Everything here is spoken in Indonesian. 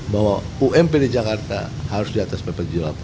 bahwa ump di jakarta harus di atas pp tujuh puluh delapan